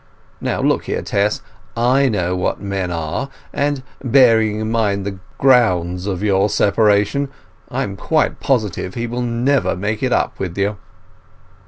Now look here, Tess, I know what men are, and, bearing in mind the grounds of your separation, I am quite positive he will never make it up with you.